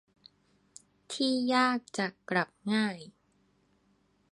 ที่ยากจะกลับง่าย